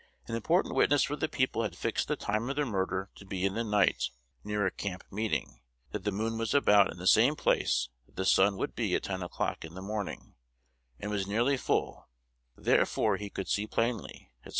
An important witness for the People had fixed the time of the murder to be in the night, near a camp meeting; 'that the moon was about in the same place that the sun would be at ten o'clock in the morning, and was nearly full,'therefore he could see plainly, &c.